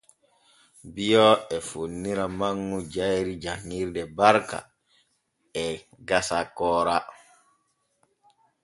Bio e fonnira manŋu jayri janŋirde Barka e gasa Koora.